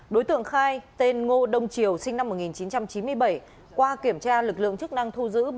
đối tượng khai tên ngô đông triều sinh năm một nghìn chín trăm chín mươi bảy qua kiểm tra lực lượng chức năng thu giữ